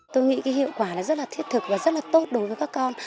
tôi nghĩ cái hiệu quả này rất là thiết thực và rất là tốt đối với các con